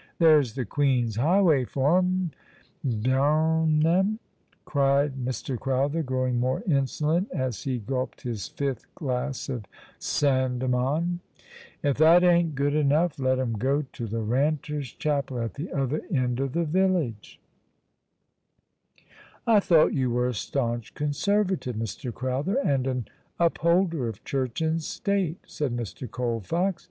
There's the Queen's highway for 'em, d n 'em !" cried Mr. Crowther, growing more insolent, as he gulped his fifth glass of Sandemann. " If that ain't good " Of the Weak my Heart is Weakest T 141 enough, let 'em go to the Eanters' Chapel at the other end of the village." '' I thought you were a staunch Conservative, Mr. Crowther, and an upholder of Church and State/' said Mr. Col fox.